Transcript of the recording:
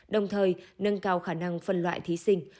đồng thời nâng cao khả năng phân loại thí sinh